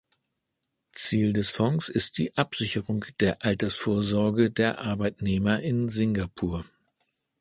Ziel des Fonds ist die Absicherung der Altersvorsorge der Arbeitnehmer in Singapur.